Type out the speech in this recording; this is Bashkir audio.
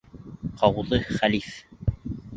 ҠАУҘЫ ХӘЛИФ